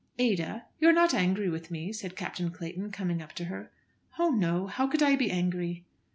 "Ada, you are not angry with me," said Captain Clayton, coming up to her. "Oh, no! How could I be angry?"